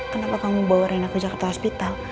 kenapa kamu bawa rena ke jakarta hospital